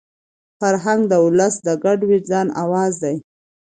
فرهنګ د ولس د ګډ وجدان اواز دی.